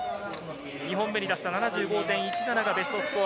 ２本目に出した７５．１７がベストスコア。